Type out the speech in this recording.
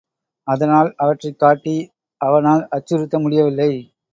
அதனால் அவற்றைக் காட்டி அவனால் அச்சுறுத்த முடியவில்லை.